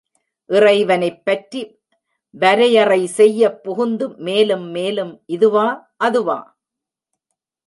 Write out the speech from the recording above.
இறைவனைப் பற்றி வரையறை செய்யப் புகுந்து மேலும் மேலும், இதுவா, அதுவா?